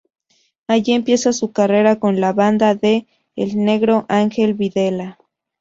Allí empieza su carrera con la banda de "El negro" Angel Videla.